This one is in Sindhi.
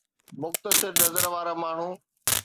مختصر نظر وارا ماڻهو